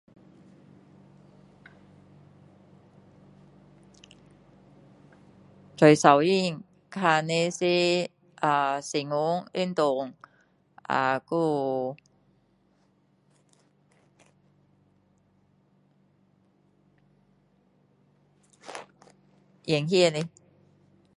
最习惯看的是 ahh 新闻，运动，ahh 还有 演戏的